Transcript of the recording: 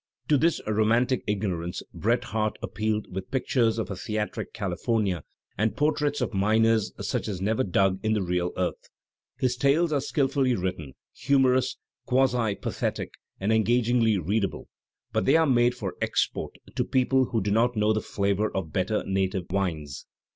To this romantic ignorance Bret Harte appealed with pictures of a theatric California and portraits of miners such as never dug in the real earth. His tales are skilfully written, humorous, quasi pathetic and engagingly readable, but they are made "for export" to people who do not know the flavour of better native wines.